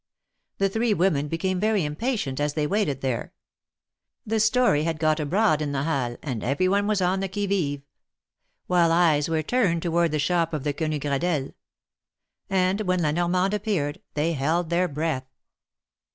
The three women became very impatient as they waited there. The story had got abroad in the Halles, and every one was on the qui vive; while all eyes were turned toward the shop of the Quenu Gradelles ; and when La Normande ap peared, they held their breath.